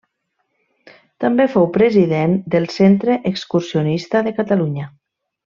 També fou president del Centre Excursionista de Catalunya.